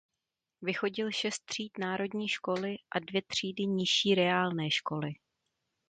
Vychodil šest tříd národní školy a dvě třídy nižší reálné školy.